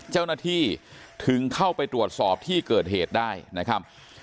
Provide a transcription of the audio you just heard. เจ้าหน้าที่ถึงเข้าไปตรวจสอบที่เกิดเหตุได้นะครับ